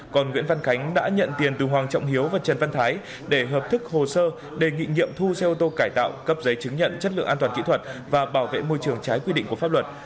còn nguyễn văn khánh đã nhận tiền từ hoàng trọng hiếu và trần văn thái để hợp thức hồ sơ đề nghị nghiệm thu xe ô tô cải tạo cấp giấy chứng nhận chất lượng an toàn kỹ thuật và bảo vệ môi trường trái quy định của pháp luật